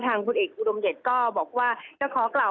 ทางบุธเอกอุดมเย็ดก็บอกว่าก็ขอกล่าว